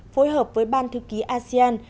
phối hợp với ban thư ký asean